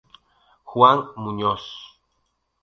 Juan Muñoz".